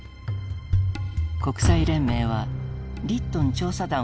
国際連盟はリットン調査団を派遣。